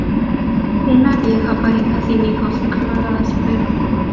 Una vieja pareja sin hijos amaba a su perro.